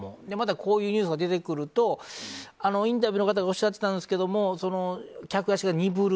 こういうニュースが出てくるとインタビューでおっしゃっていたんですけど客足が鈍る。